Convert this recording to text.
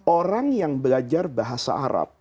orang yang belajar bahasa arab